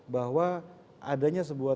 bahwa adanya sebuah